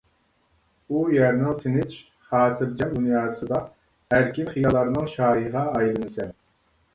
ئۇ يەرنىڭ تىنچ، خاتىرجەم دۇنياسىدا ئەركىن خىياللارنىڭ شاھىغا ئايلىنىسەن.